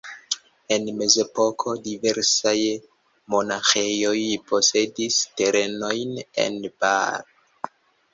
En mezepoko diversaj monaĥejoj posedis terenojn en Baar.